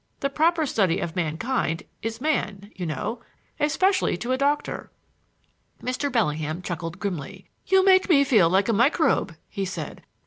'The proper study of mankind is man,' you know, especially to a doctor." Mr. Bellingham chuckled grimly. "You make me feel like a microbe," he said.